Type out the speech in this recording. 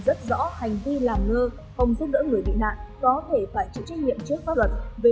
rất rõ hành vi làm ngơ không giúp đỡ người bị nạn có thể phải chịu trách nhiệm trước pháp luật về